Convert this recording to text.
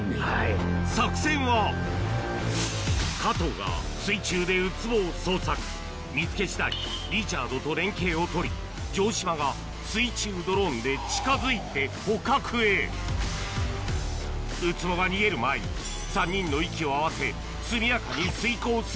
作戦は加藤が水中でウツボを捜索見つけ次第リチャードと連携を取り城島が水中ドローンで近づいて捕獲へウツボが逃げる前にはい。